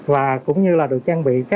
và cũng như là được trang bị